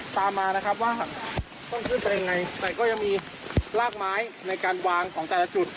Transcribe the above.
ตามมานะครับว่าต้องขึ้นไปยังไงแต่ก็ยังมีรากไม้ในการวางของแต่ละจุด